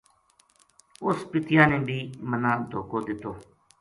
اُس پِتیا نے بھی منا دھوکو دِتو